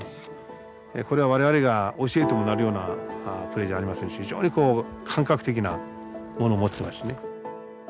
これは我々が教えてもなるようなプレーじゃありませんし非常に感覚的なものを持ってますね。